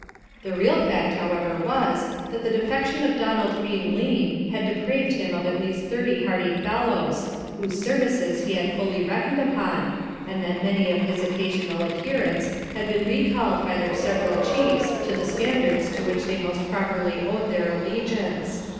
The real fact, however, was, that the defection of Donald Bean Lean had deprived him of at least thirty hardy fellows, whose services he had fully reckoned upon, and that many of his occasional adherents had been recalled by their several chiefs to the standards to which they most properly owed their allegiance.